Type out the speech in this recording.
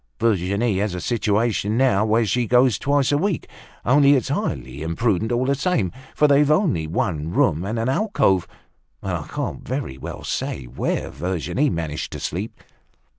Virginie has a situation now, where she goes twice a week. Only it's highly imprudent all the same, for they've only one room and an alcove, and I can't very well say where Virginie managed to sleep."